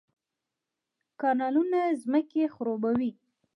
کانالونه ځمکې خړوبوي